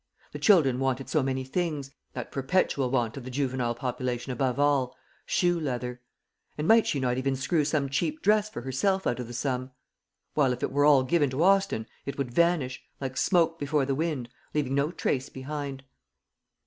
The children wanted so many things that perpetual want of the juvenile population above all, shoe leather; and might she not even screw some cheap dress for herself out of the sum? while if it were all given to Austin, it would vanish, like smoke before the wind, leaving no trace behind.